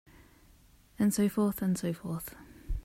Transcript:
And so forth and so forth.